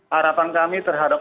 harapan kami terhadap